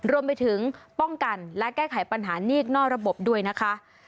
รวมไปถึงป้องกันและแก้ไขปัญหานี่นอกระบบด้วยนะคะ